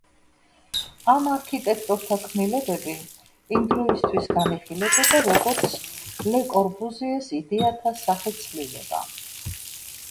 ამ არქიტექტორთა ქმნილებები იმ დროისთვის განიხილებოდა როგორც ლე კორბუზიეს იდეათა სახეცვლილება.